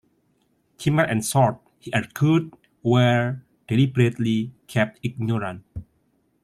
Kimmel and Short, he argued, were deliberately kept ignorant.